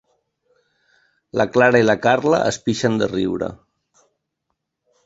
La Clara i la Carla es pixen de riure.